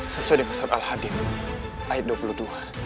sesuai dengan surat al hadid ayat dua puluh dua